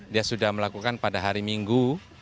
dia sudah melakukan pada hari minggu